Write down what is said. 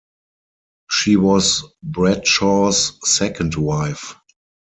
She was Bradshaw's second wife.